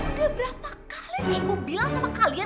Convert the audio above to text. udah berapa kali sih ibu bilang sama kalian